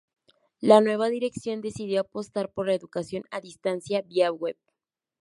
La nueva dirección decidió apostar por la educación a distancia vía web.